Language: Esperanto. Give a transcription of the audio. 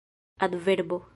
adverbo